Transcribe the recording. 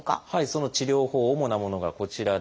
その治療法主なものがこちらです。